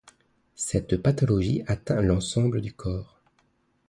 Cette pathologie atteint l'ensemble du corps.